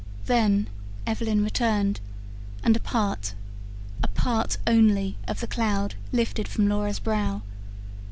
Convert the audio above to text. Then Evelyn returned, and a part, a part only of the cloud lifted from Laura's brow.